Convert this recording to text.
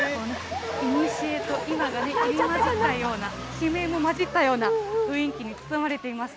いにしえと今が入り混じったような、悲鳴も混じったような雰囲気に包まれています。